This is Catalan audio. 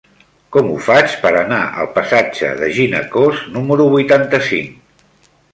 Com ho faig per anar al passatge de Ginecòs número vuitanta-cinc?